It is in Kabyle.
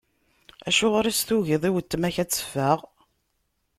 Acuɣer i as-tugiḍ i weltma-k ad teffeɣ?